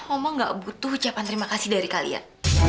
ngomong gak butuh ucapan terima kasih dari kalian